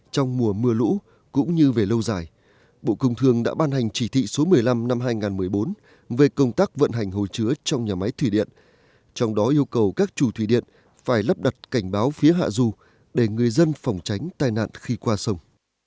trong mùa mưa lũ cũng như về lâu dài bộ công thương đã ban hành chỉ thị số một mươi năm năm hai nghìn một mươi bốn về công tác vận hành hồ chứa trong nhà máy thủy điện trong đó yêu cầu các chủ thủy điện phải lắp đặt cảnh báo phía hạ du để người dân phòng tránh tai nạn khi qua sông